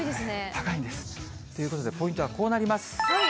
高いんです。ということでポイントはこうなります。